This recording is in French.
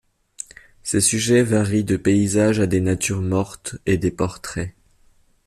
Ses sujets varient de paysages à des natures mortes et des portraits.